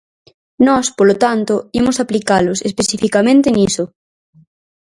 Nós, polo tanto, imos aplicalos especificamente niso.